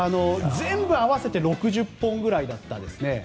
全部合わせて６０本くらいだったんですね。